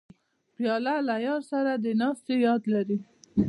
پیاله له یار سره د ناستې یاد لري.